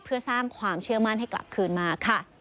เพื่อสร้างความเชื่อมั่นให้กลับคืนมาค่ะ